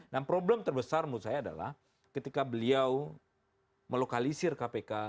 dan problem terbesar menurut saya adalah ketika beliau melokalisir kpk